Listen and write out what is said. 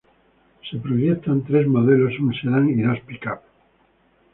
Se proyectan tres modelos: un sedán y dos pick-up.